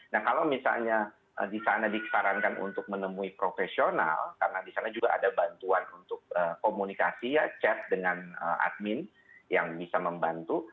nah kalau misalnya di sana disarankan untuk menemui profesional karena di sana juga ada bantuan untuk komunikasi ya chat dengan admin yang bisa membantu